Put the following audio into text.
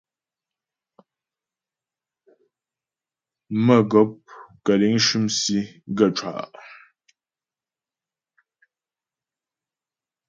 Mə́gɔp kə̂ liŋ shʉm sì gaə́ cwâ'a.